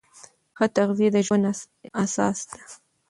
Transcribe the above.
ښه تغذیه د ژوند اساس ده.